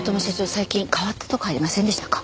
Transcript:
最近変わったとこありませんでしたか？